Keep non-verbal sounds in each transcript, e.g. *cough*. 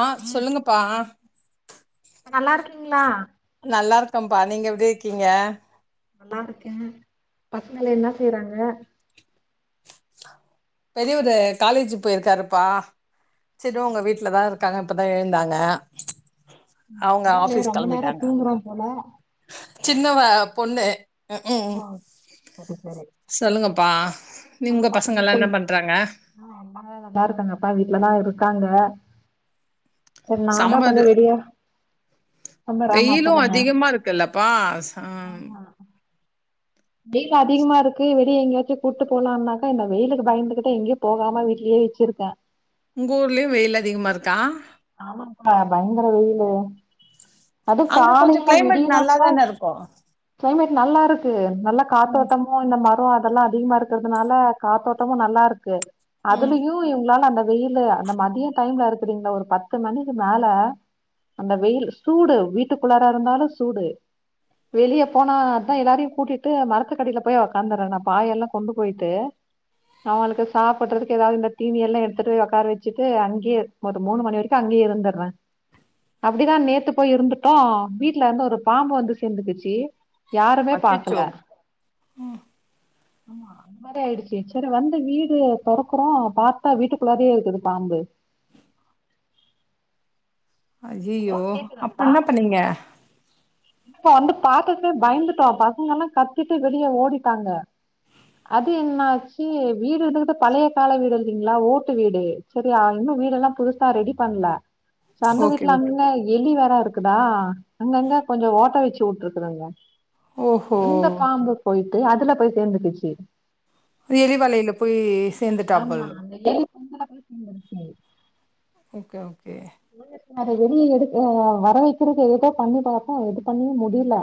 ஆ சொல்லுங்கப்பா நல்லா இருக்கீங்களா நல்லா இருக்கப்பா நீங்க எப்டி இருக்கீங்க நல்லா இருக்கே பசங்கள் என்ன செய்றாங்க பெரியவர் காலேஜுக்கு போயிருக்காருப்பா சின்னவங்க வீட்டு்ல தா இருக்காங்க இப்பதா எழுந்தாங்க அவங்க பரவால்லையே ஆபிஸ் ரொம்ப நேரோ கிளம்பிட்டாங்க தூங்குறோ போல சின்னவ பொண்ணு ம் ம் ஓ சரி சரி சொல்லுங்கப்பா நீ உங்க பசங்க எல்லாம் என்ன பண்றாங்க ஆ நல்லா இருக்காங்கப்பா வீட்டு்லதா இருக்காங்க சேரி நாதா கொஞ்ச சம்மர் விடியா ரொம்ப ரேர்னா சொல்லுங்க இல்லப்பா சாம் ஆமா வெயில் அதிகமா இருக்கு வெளியில எங்கயாச்சு கூப்பிட்டு போலாம்னாக்கா இந்த வெயிலுக்கு பயந்துகிட்ட எங்கயு போகாம வீட்டுலேயே வச்சிருக்கே உங்க ஊர்லயு வெயில் அதிகமாக இருக்கா ஆமாப்பா பயங்கர வெயிலு அது அங்க கொஞ்சம் காலையில கிளைமேட் நல்லா விடியுறப்போ தானே இருக்கும் கிளைமேட் நல்லாருக்கு நல்லா ம், காத்தோட்டமு இந்த மரோ எல்லா அதிகமா இருக்கறதுனால காத்தோட்டமு நல்லாருக்கு ம் அதுலயு இவுங்களால அந்த வெயிலு அந்த மதிய டைம்ல இருக்குறீங்ள ஒரு பத்து பத்து மணிக்கு மேல அந்த வெயில் சூடு வீட்டுக்குள்ளார இருந்தாலு சூடு வெளிய போனா அத்தா எல்லாரயு கூட்டிட்டு மரத்துக்கடியில போய் உக்காந்தறே நா பாயெல்லா கொண்டு போய்ட்டு ஆளுக்கு சாப்பட்றதுக்கு ஏதாவது இந்த தீனிய எல்லா எடுத்துட்டு ஒக்கார வெச்சுட்டு அங்யே மொத்தோ மூணு மணி வரை இப்ப அங்கயே இருந்தர்ர அப்டிதா நேத்து போய் இருந்துட்டோ வீட்ல இருந்து ஒரு பாம்பு வந்து சேந்துக்குச்சு யாருமே பாக்கல அச்சோ ஆமா அந்த மாரி ஆயிடுச்சு சரி வந்து வீடு தொறக்கறோ பாத்தா வீட்டுக்குள்ளாரயே இருக்குது பாம்பு ஹலோ அய்யய்யோ அப்ரோ கேக்குதாப்பா என்ன பண்ணீங்க வந்து பாத்துட்டு பய்ந்துட்டோ பசங்க எல்லா கத்திட்டு வெளிய ஓடிட்டாங்க அது என்னாச்சு வீடு இருந்துகுட்டு பழைய கால வீடு இருக்லீங்களா ஓட்டு வீடு சேரி அந்த வீடெல்லா புதுசா ரெடி பண்ல சொந்த ஓகே வீட்ல ஓகே அங்க எலி வேற இருக்குதா அங்கங்க கொஞ்சோ ஓட்ட வெச்சு உட்ருக்குதுங்க ஓஹோ இந்த பாம்பு போய்ட்டு அதுல போய் சேந்துகுச்சு கீறி வலைல போய் சேந்துட் ஆமா அந்த எலி பொந்துல போய் சேந்துருச்சு ஓகே ஓகே அத வெளிய எடு அ வர வெக்கறக்கு ஏதெதோ பண்ணி பாத்தோ எது பண்ணியு முடில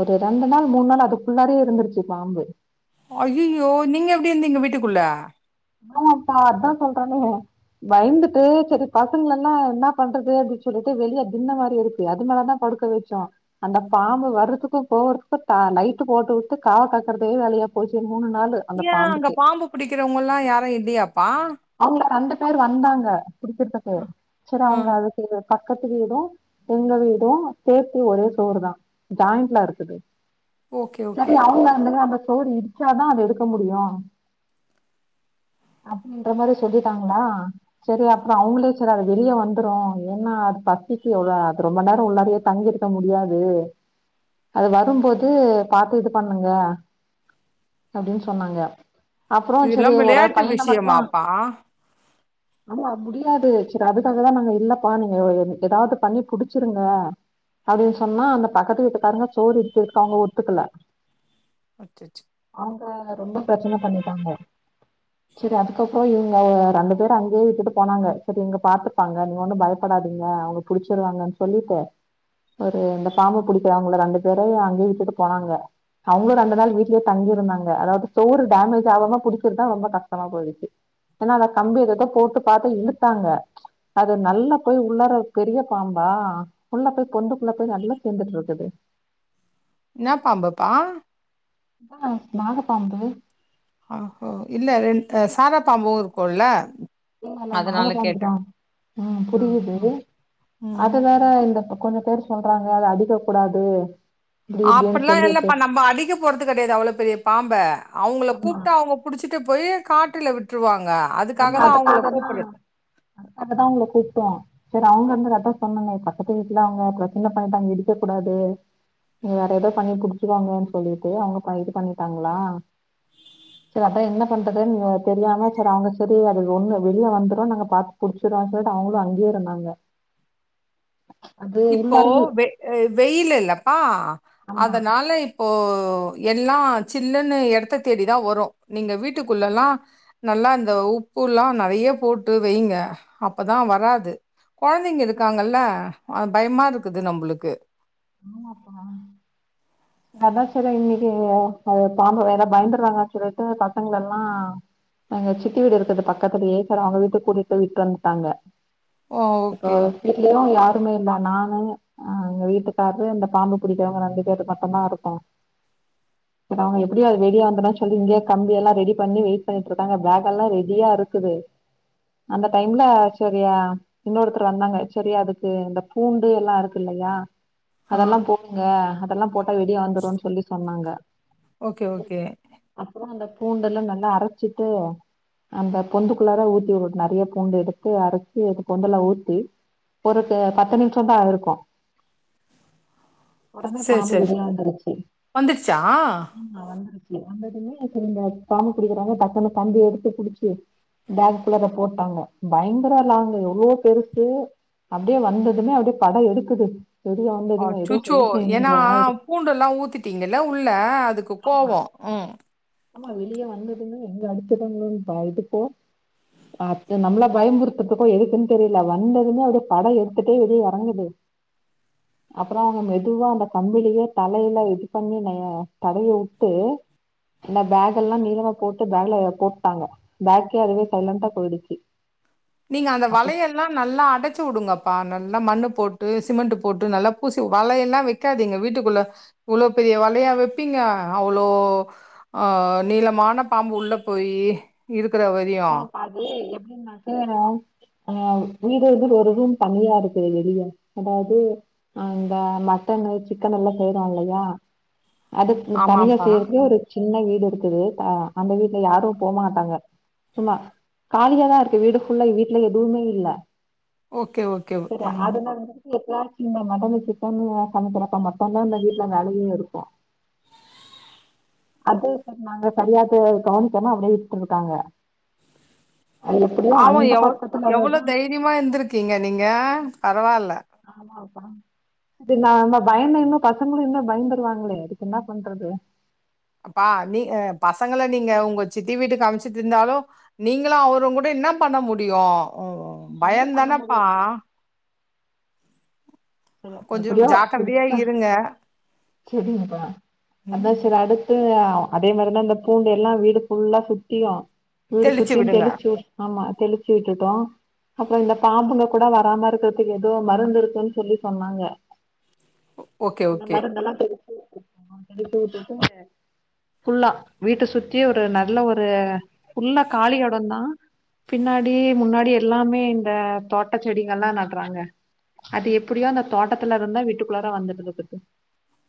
ஒரு ரெண்டு நாள் மூணு நாள் அதுக்குள்ளாரயே இருந்துருச்சு பாம்பு அய்யோயோ நீங்க எப்டி இருந்தீங்க வீட்டுக்குள்ள ஆ அப்பா அதா சொல்றனே பய்ந்துட்டு சரி பசங்லெல்லா என்னா பண்றது அப்டி சொல்லிட்டு வெளிய தின்ன மாரி இருக்கு அது மேலதா படுக்க வெச்சோ அந்த பாம்பு வர்றதுக்கு போறதுக்கு தா லைட்டு போட்டு விட்டு காவ் காக்கறதே வேலயா போச்சு மூணு நாளு அந்த ஏ அங்க பாம்புக்கு பாம்பு புடிக்கறவங்கல்லா யாரு இல்லியா அவுங்க ரெண்டு பேர் வந்தாங்க புடிக்கற்துக்கு சேரி ஆ அவுங்க அது தெரு பக்கத்து வீடு எங்க வீடு சேத்தி ஒரே சுவருதா ஜாயிண்ட்ல இருக்குது ஓகே சேரி ஓகே அவுங்க அந்த அந்த சோடு இடிச்சாதா அத எடுக்க முடியு அப்டின்ற மாரி சொல்லிட்டாங்களா சரி அப்ரோ அவுங்ளே சரி அது வெளிய வந்துரு ஏன்னா அது பசிக்கு எவ்ளவு அது ரொம்ப நேரோ உள்ளாரயே தங்கிருக்க முடியாது அது வரும்போது பாத்து இது பண்ணுங்க அப்டின்னு சொன்னாங்க அப்பரோ சேரி இதெல்லாம் ஒரே ஒரு விளையாட்டு பைய்ன மட்டு விஷயமாப்பா ஆமா முடியாது சேரி அதுக்காகதா நாங்க இல்லப்பா நீங்க எ எ ஏதாவது பண்ணி புடிச்சிருங்க அப்டின் சொன்னா அந்த பக்கத்து வீட்டுக்காறங்க சோறு இடிக்கரக்கு அவங்க ஒத்துக்கல அச்சச்சோ அவங்க ரொம்ப பிரச்சன பண்ணிட்டாங்க சேரி அதுக்கப்பறோ இவுங்க ரெண்டு பேர் அங்கேயே விட்டுட்டு போனாங்க செரி இங்க பாத்துப்பாங்க நீங்க ஒண்ணு பயப்படாதீங்க அவுங்க புடிச்சிருவாங்கன்னு சொல்லிட்டு ஒரு இந்த பாம்பு புடிக்கிறாங்கள ரெண்டு பேர அங்கயே விட்டுட்டு போனாங்க அவுங்களு ரண்டு நாள் வீ்ட்லயே தங்கிருந்தாங்க அதாவ்து சோவுறு டேமேஜ் ஆகாம புடிக்கிறதுதா ரொம்ப கஷ் டமா போய்டுச்சு ஏன்னா அத கம்பி எதத்தோ போட்டு பாத்து இழுத்தாங்க அது நல்லா போய் உள்ளற பெரிய பாம்பா உள்ள போய் பொந்துகுள்ள போய் நல்லா சேந்துட்டு இருக்குது என்ன பாம்புப்பா அதா நாக பாம்பு ஆஹோ இல்ல ரெண் ஆ சாத பாம்பு இருக்குல்ல இல்லல்ல நாகபாம்புதா ம் புரியுது ம். அது வேற இந்த ப கொஞ்ச பேரு சொல்றாங்க அத அடிக்க கூடாது இப்டி இப்டின்னு அப்படில்லா சொல்லிட்டு இல்லப்பா நம்ம அடிக்க போறது கடையாது அவ்வளோ பெரிய பாம்ப அவுங்கள ஆமா கூப்ட்டு அவுங்க புடிச்சிட்டு போய் காட்டுல விட்ருவாங்க அதுக்காக தா அவுங்கள கூப்பறது அததா அவுங்கள கூப்ட்டோ செரி அவுங்க அந்த ரத்த சொன்னனே பக்கத்து வீட்டுல அவுங்க ப்ரச்சன்ன பண்ணிட்டு அங்க இடிக்க கூடாது நீ வேற ஏதோ பண்ணி புடிச்சீடுவாங்கனு சொல்லிட்டு அவுங்க *unintelligible* இது பண்ணிட்டாங்களா செரி அதா என்ன பண்றதுன் நீங்க தெரியாம செர் அவுங்க செரி அது ஒண்ணு வெளில வந்துரு நாங்க பாத்து புடிச்சிடோனு சொல்லிட்டு அவுங்களு அங்கேய இருந்தாங்க அது இப்போ உள்ளாரையு வெ வெய்யிலு இல்லப்பா ஆமா அதனால இப் இப்போ எல்லா சில்லுன்னு எடத்த தேடிதா வரு நீங்க வீட்டுக்குள்ளல்லா நல்லா இந்த உப்புல்லா நறைய போட்டு வைங்க அப்பதா வராது கொழந்தைங்க இருக்காங்கல்ல அதா பயமா இருக்குது நம்புளுக்கு ஆமாப்பா அதா செரி இன்னைக்கு பய பாம்பு வேற பயந்துடுறாங்கா சொல்லிட்டு பசங்கள எல்லா அவிங்க சித்தி வீடு இருக்கது பக்கத்துலியே செரு அவுங்க வீட்டுக் கூட்டிட்டு போய் விட்டு வந்துட்டாங்க ஓ! இப்ப ஓகே, ஓகே. விட்டுலியு யாருமே இல்ல நானு அ எங்க வீட்டு கார்ரு இந்த பாம்பு புடிக்கவங்க ரெண்டு பேருக்கு மட்டுதா இருக்கோ செரு அவுங்க எப்டியு ரெடிந்ததுன்னா சொல்லி இங்கேயே கம்பி எல்லா ரெடி பண்ணி வெயிட் பண்ணிட்டு இருக்காங்க பேக்கக் எல்லா ரெடியா இருக்குது அந்த டைம்ல செரியா இன்னொருத்தரு வந்தாங்க செரியா அதுக்கு இந்த பூண்டு எல்லாருக்கு இல்லையா ஆ அதெல்லா போடுங்க அதெல்லா போட்டா வெடிய வந்துரும்ன்னு சொல்லி சொன்னாங்க ஓகே ஓகே அப்பறோ அந்த பூண்டெல்லா நல்லா அரைச்சிட்டு அந்த பொந்துக்குள்ளார ஊத்தி உடு ஒரு நெறைய பூண்டு எடுத்து அரைச்சி அந்த பொந்தல்லா ஊத்தி ஒருக்கு அ பத்து நிம்ஷ தா ஆயிருக்கு உடனே சரி, பாம்பு சரி. வெளிய வந்துருச்சு வந்துடுச்சா? ஆ வந்துருச்சு வந்ததுமே செரி இந்த பாம்பு புடிக்கிறாங்க டக்குன்னு கம்பி எடுத்து புடிச்சு பேக் குள்ளாற போட்டாங்க பயங்கர லாங்க்கு எவ்ளோ பெருசு அப்டியே வந்ததுமே அப்டியே பட எடுக்குது வெளிய வந்ததுமே ஏதோ அச்சச்சோ செய்ய ஏன்னா செய்யணுன்ற மாதிரி பூண்டெல்லா ஊத்தட்டீங்கல்ல உள்ள அதுக்கு ஆமா கோவோ ம் ஆமா வெளியே வந்ததுமே எங்க அடுச்சிறாங்களோன்னு பய இதுப்போ பாத் எ நம்மள பயம்முறுத்துறதுக்கோ எதுக்குன்னு தெரிய்ல வந்ததுமே எதோ பட எடுத்துட்டே வெளிய எறங்குது அப்றோ அவுங்க மெதுவா அந்த கம்பிளியே தலையில இது பண்ணினைய தலைய வுட்டு இந்த பேக் எல்லா நீளமா போட்டு பேக்ல எல்லா போட்டாங்க பேக்கே அதுவே சைலண்டா போயிடுச்சு நீங்க அந்த அப்ப வளையல் மேம் நல்லா அடைச்சு வுடுங்கப்பா நல்லா மண்ணு போட்டு சிமெண்ட் போட்டு நல்லா பூசி வலையெல்லாம் வச் வக்காதீங்க வீட்டுக்குள்ள இவ்ளோ பெரிய வலையா வைப்பீங்க அவ்ளோ ஆ நீளமான பாம்பு உள்ள போய் இருக்கிற வரையு ஆ அப்ப அது எப்டின்னாக்க ந ஆ வீடு இருந்து ஒரு இது தனியா இருக்குது வெளிய அதாவது அந்த மட்டனு சிக்கன் எல்லா செய்றோ இல்லையா அது தனியா ஆமாம்ப்பா. செய்யறதே ஒரு சின்ன வீடு இருக்குது அ அந்த வீட்ல யாரு போமாட்டாங்க சும்மா காலியாதா இருக்கு வீடு குள்ள வீட்ல எதுவுமே இல்ல ஓகே ஓகே சரி ம். அதுல ருந்து எப்பயாது சின்ன மட்டனு சிக்கனு சமைக்கறப்ப மட்டுதா அந்த வீட்ல வலையல் இருக்கு அது சரி நாங்க சரியாது கவனிக்காம அப்டியே விட்இருக்காங்க ஆமா எவ பக்கத்துல எவ்ளோ இருந்துதா தைரியமா இருந்திருக்கீங்க நீங்க பரவாயில்ல ஆமாப்பா இது நாங்க பயந் இன்னு பசங்களு இன்னு பயந்துருவாங்களே இதுக்கு என்னா பண்றது அப்பா நீ பசங்கள நீங்க உங்க சித்தி வீட்டுக்கு அமச்சிட்டு இருந்தாலு நீங்களு அவரு கூட என்ன பண்ண முடியு ஒண்ணு பண்ண பயம்தானேப்பா முடியாது சரி கொஞ்சோ எப்டியோ ஜாக்கிரதையா கொடுத்தா இருங்க. சரிங்கப்பா ம் அத சரி அடுத் அது அதே மாரி தா இந்த பூண்டு எல்லா வீடு ஃபுல்லா சுத்தியு வீடு தெளிச்சு சுத்தின்னு விடுங்க. தெளிச்சு ஆமா தெளிச்சு விட்டுட்டோ அப்பறோ இந்த பாம்புங்க கூட வராமா இருக்குறதுக்கு ஏதோ மருந்து இருக்குன்னு சொல்லி சொன்னாங்க ஓகே, அந்த ஓகே. மருந்தெல்லா தெளிச்சு ஆ எடுத்துட்டுட்டு புல்லா வீட்ட சுத்தி ஒரு நல்ல ஒரு ஃபுல்லா காளி எடோ தா பின்னாடி முன்னாடி எல்லாமே இந்த தோட்ட செடிங்கள்லா நட்றாங்க அது எப் அது எப்டியோ தோட்டத்துல இருந்துதா வீட்டுக்குள்ளார வந்துடுது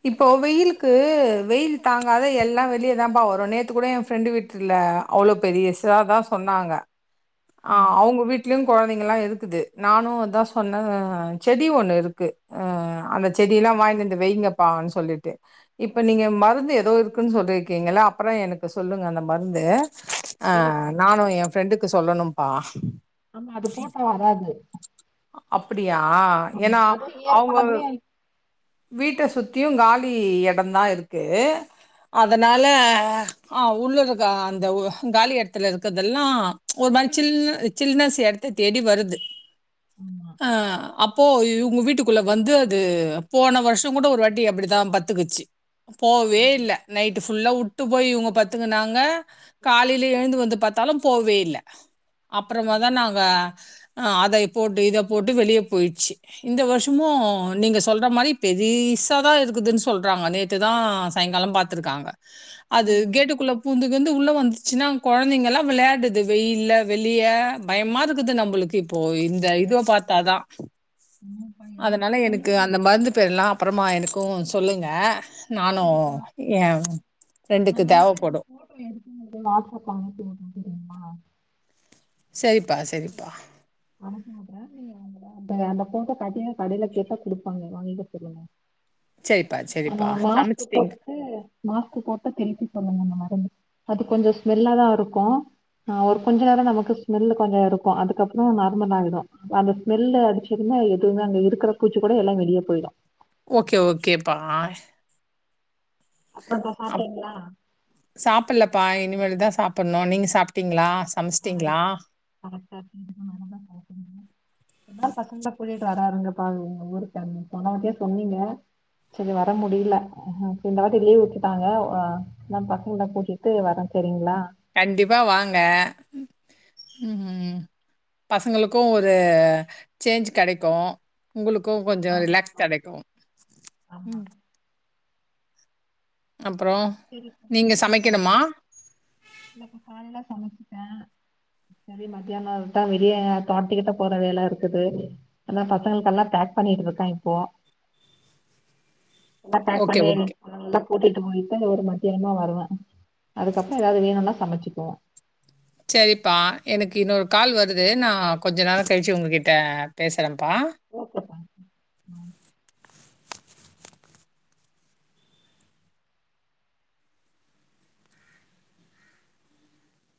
இப்போ வெயிலுக்கு வெயில் தாங்காத எல்லா வெளியே தா பா வரு நேத்து கூட என் ஃப்ரெண்டு வீட் ல அவ்ளோ பெரிய சா தா சொன்னாங்க ஆ ம் அவுங்க வீட் வீட்லயு குழந்தைங்கலா இருக்குது நானு அதா சொன்ன செடி ஒண்ணு இருக்கு அ அந்த செடிய எல்லா வாய்ங்கிட்டு வந்து வைங்கப்பானு சொல்லிட்டு இப்ப நீங்க மருந்து ஏதோ இருக்குன்னு சொல்லிருக்கீங்கள அப்பறம் எனக்கு சொல்லுங்க அந்த மருந்து அ சரிப்பா நானு என் ஃப்ரெண்டுக்கு சொல்லணும்ப்பா ஆமா அது போட்டா வராது அப்டியா ஆமா ஏன்னா அது அவுங்க ஏற்கனவே வீட்ட சுத்தியு காலி எடம்தா இருக்கு அதனால ஆ உள்ள இருக்க அந்த உ காலி எடத்துல இருக்கதெல்லா ஒரு மாரி சில்ன சில்னஸ் எடத்த தேடி வருது ஆமா அ அப்போ இவுங்க வீட்டுக்குள்ள வந்து அது போன வருஷம் கூடி ஒரு வட்டி அப்டிதா பத்துக்குச்சு போவே இல்ல நைட் ஃபுல்லா வுட்டு போய் இவுங்க பத்துகின்னாங்க காலையில எழுந்து வந்து பார்த்தாலு போவே இல்ல அப்புறமாதா நாங்க அ அதை போட்டு இதை போட்டு வெளியே போயிடுச்சு இந்த வருஷமு நீங்க ச சொல்ற மாரி பெரூசா தா இருக்குதுன்னு சொல்றாங்க நேத்துதா சாயங்காலம் பாத்துருக்காங்க ஓ அது கேட்டுக்குள்ள போ புந்து கிவ்ந்து உள்ள வந்துச்சுன்னா கெழந்தைங்கலாம் வெளையாடுது வெயில்ல வெளிய பயமா இருக்குது நம்பளுக்கு இப்போ இந்த இதுவ பாத்தாதா உம் ப்பா எங்க பாத்தாலும் வந்து போயிர்லா அப்றமா எனக்கும் சொல்லுங்க நானும் சரிப்பா ஏ பிரெண்டுக்கு தேவபடு எ வாட்ஸ்அப் அவுங்களுக்கு இருக்குனு தெரியுமா சேரிப்பா சரிப்பா அந்த அந்த போட்டோ பாத்திங்கனா கடையில கேட்டா குடுப்பாங்க வாங்கிக்க சொல்லுங்க சேரிப்பாச்சே ஆனா மாஸ்க் போட்டுட்டு மாஸ்கு போட்டு தெளிக்க சொல்லுங்க அந்த மருந்து அது கொஞ்சோ ஸ்மெல்ல தா இருக்கும் ஆ ஒரு கொஞ்ச நேரோ நமக்கு ஸ்மெல்லு கொஞ்சோ இருக்கும் அதுக்கப்றோ நார்மல் ஆயிடும் அந்த ஸ்மெல்ல அடிச்சிர்ந்த எதுவுமே அங்க இருக்கிற பூச்சி கூட எல்லா வெளிய போயிடும் ஓகே ஓகேப்பா அப்றம்பா சாப்ட்டிங்ளா சாப்டலப்பா இனிமேல் தா சாப்டணு நீங்க சாப்ட்டீங்களா சமச்சிட்டீங்ளா கரைக்டா *unintelligible* பாக்க முடியும் என்னால பசங்கள கூட்டிட்டு வர்றாறுங்கக்கா எங்க ஊருக்கு போனவாட்டியே சொன்னீங்க சேரி வர முடியல இந்த வாட்டி லீவ் வுட்டுட்டாங்க எல்லா பசங்கள கூட்டிட்டு வர்ற போரிங்ளா கண்டிப்பா வாங்க உம்ம் பசங்களுக்கு ஒரு சேஞ்ச் கெடைக்கும் உங்களுக்கும் கொஞ்சோம் ரிலாக்ஸ் ஆமாப்பா கெடைக்கும் ஆமா உம் அப்றோ சரி நீங்க சமைக்கணுமா இன்னக் காலைய்ல சமைச்சிட்டோ சரி மத்தியானோம் விட்டா த வெளிய தோட்த்துக்கிட்ட போற வேல இருக்குது அதா பசங்களுக்கெல்லாம் பேக் பண்ணிட்டு இருக்கே இப்போ நல்லா பேக் ஓகே, பண்ணி *unintelligible* ஓகே. ல்லா கூட்டிட்டு போயி சரி ஒரு மத்தியானந்தா வருவே அதுக்கப்புறோம் ஏதாவது வேணும்னா சமைச்சுக்குவோ சரிப்பா எனக்கு இன்னொரு கால் வருது நா கொஞ்ச நேரோம் கழிச்சு உங்க கிட்ட பேசுறேம்பா ஓகே பா